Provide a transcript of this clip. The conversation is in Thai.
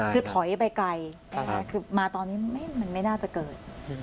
คือถอยไปไกลคือมาตอนนี้มันไม่น่าจะเกิด